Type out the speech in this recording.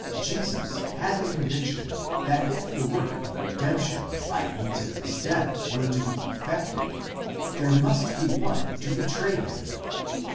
Jesus had the conviction that if the work of redemption by means of his death were to be effected, there must be one to betray him.